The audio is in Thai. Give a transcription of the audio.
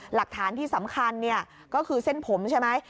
หลักฐานที่สำคัญก็คือเส้นผมใช่ไหม